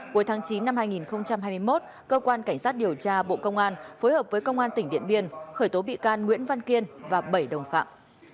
cuối tháng chín năm hai nghìn hai mươi một cơ quan cảnh sát điều tra bộ công an phối hợp với công an tỉnh điện biên khởi tố bị can nguyễn văn kiên và bảy đồng phạm